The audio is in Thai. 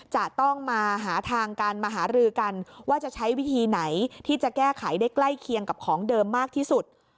จะต้องมาหาทางกันมาหารือกันว่าจะใช้วิธีไหนที่จะแก้ไขได้ใกล้เคียงกับของเดิมมากที่สุด